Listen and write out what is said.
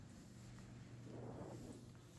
El proyecto fue producido por Brian Eno.